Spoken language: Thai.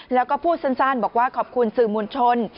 แล้วก็พูดสั้นบอกว่าขอบคุณสื่อมวลชน